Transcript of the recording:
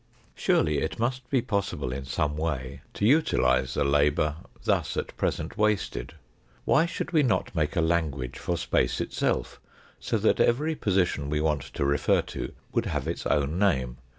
Surely it must be possible in some way to utilise the labour thus at present wasted ! Why should we not make a language for space itself, so that every position we want to refer to would have its own name